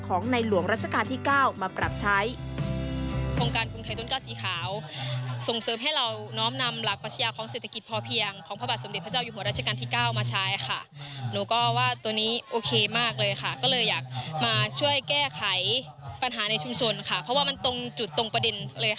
ของนายหลวงราชกาลที่๙มาปรับใช้